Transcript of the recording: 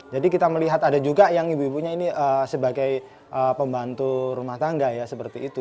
jadi kita melihat ada juga yang ibu ibunya ini sebagai pembantu rumah tangga ya seperti itu